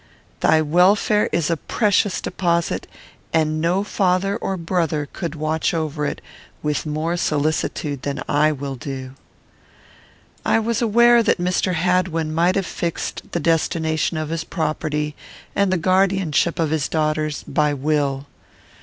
Thy welfare is a precious deposit, and no father or brother could watch over it with more solicitude than I will do." I was aware that Mr. Hadwin might have fixed the destination of his property, and the guardianship of his daughters, by will.